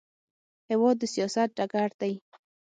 هېواد د سیاست ډګر دی.